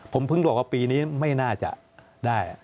ผมเพิ่งบอกว่าปีนี้ไม่น่าจะได้